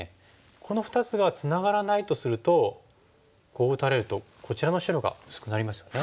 この２つがツナがらないとするとこう打たれるとこちらの白が薄くなりますよね。